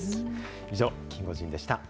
以上、キンゴジンでした。